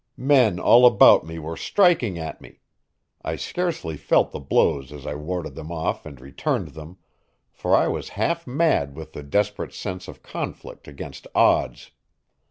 Men all about me were striking at me. I scarcely felt their blows as I warded them off and returned them, for I was half mad with the desperate sense of conflict against odds.